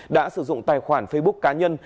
đã sử dụng tài khoản facebook cá nhân